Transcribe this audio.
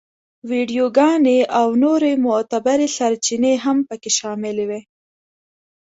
ویډیوګانې او نورې معتبرې سرچینې هم په کې شاملې وې.